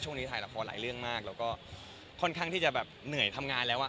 ถ่ายละครหลายเรื่องมากแล้วก็ค่อนข้างที่จะแบบเหนื่อยทำงานแล้วอ่ะ